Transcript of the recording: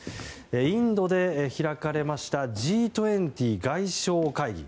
インドで開かれましたＧ２０外相会議。